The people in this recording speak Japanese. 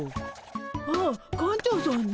ああ館長さんね。